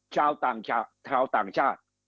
ชาวต่างชาติ